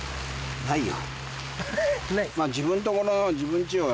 ないよ。